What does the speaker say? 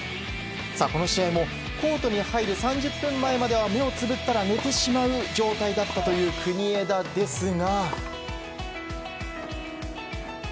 この試合もコートに入る３０分前までは目をつぶったら寝てしまう状態だったという国枝ですが。